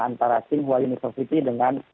antara singhuayu university dengan